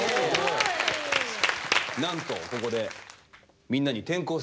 なんとここであら。